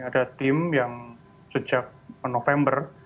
ada tim yang sejak november